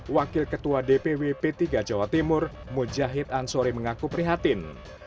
wakil ketua dpw p tiga jawa timur mujahid ansori mengaku prihatin